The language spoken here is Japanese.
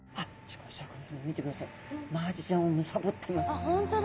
あ本当だ。